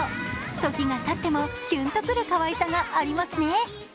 時がたっても、きゅんとくるかわいさがありますね。